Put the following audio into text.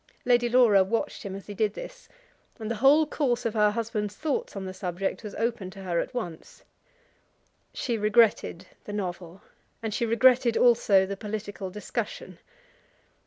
Lady Laura watched him as he did this, and the whole course of her husband's thoughts on the subject was open to her at once. She regretted the novel, and she regretted also the political discussion.